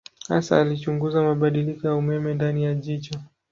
Hasa alichunguza mabadiliko ya umeme ndani ya jicho.